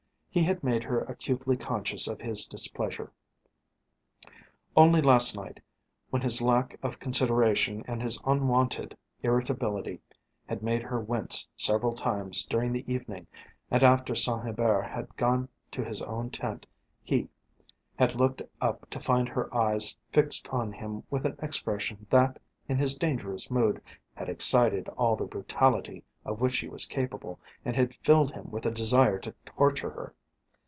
He had made her acutely conscious of his displeasure. Only last night, when his lack of consideration and his unwonted irritability had made her wince several times during the evening and after Saint Hubert had gone to his own tent, he, had looked up to find her eyes fixed on him with an expression that, in his dangerous mood, had excited all the brutality of which he was capable, and had filled him with a desire to torture her.